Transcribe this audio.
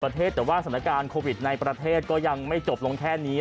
แต่ว่าสถานการณ์โควิดในประเทศก็ยังไม่จบลงแค่นี้